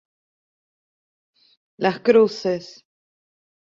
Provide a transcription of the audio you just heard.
Las cruces.